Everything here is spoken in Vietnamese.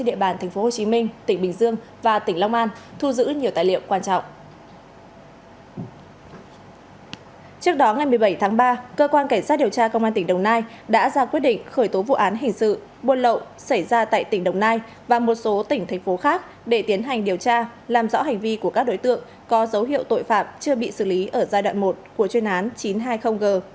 trước đó ngày một mươi bảy tháng ba cơ quan cảnh sát điều tra công an tỉnh đồng nai đã ra quyết định khởi tố vụ án hình sự buôn lộ xảy ra tại tỉnh đồng nai và một số tỉnh thành phố khác để tiến hành điều tra làm rõ hành vi của các đối tượng có dấu hiệu tội phạm chưa bị xử lý ở giai đoạn một của chuyên án chín trăm hai mươi g